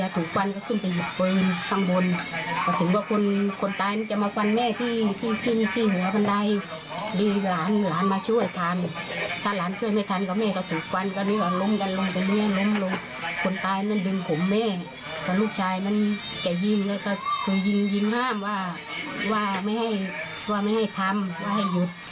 ถูกยิงยิงห้ามว่าว่าไม่ให้ทำว่าให้หยุด